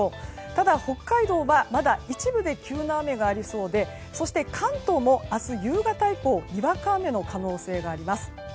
ただ北海道は、まだ一部で急な雨がありそうで関東も明日夕方以降にわか雨の可能性があります。